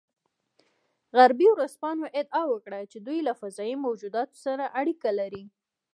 غربي ورځپاڼو ادعا وکړه چې دوی له فضايي موجوداتو سره اړیکه لري